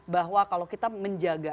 bahwa kalau kita menjaga